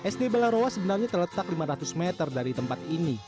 sd belarowa sebenarnya terletak lima ratus meter dari tempat ini